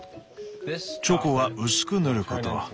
チョコは薄く塗ること。